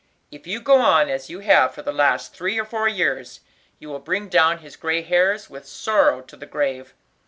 If you go on as you have for the last three or four years, you will bring down his gray hairs with sorrow to the grave.